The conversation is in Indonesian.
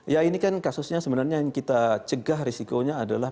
ya ini kan kasusnya sebenarnya yang kita cegah risikonya adalah